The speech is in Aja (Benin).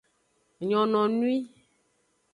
Nyononwi.